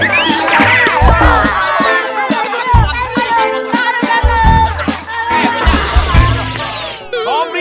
gak ada beri gak ada beri